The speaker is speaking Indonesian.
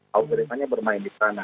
algoritmanya bermain di sana